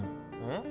ん？